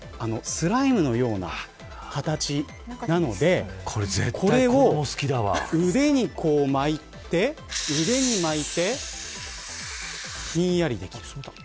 スライムのような形なのでこれを腕に巻いてひんやりできる。